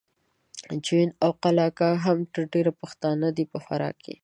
جوین او قلعه کا هم تر ډېره پښتانه دي په فراه کې